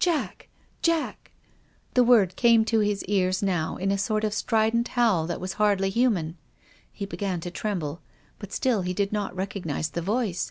"Jack! Jack!" The word came to his cars now in a sort of strident howl that w as hardly human. He began to tremble. But still he did not recognise the voice.